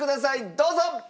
どうぞ！